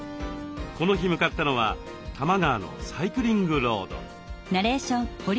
この日向かったのは多摩川のサイクリングロード。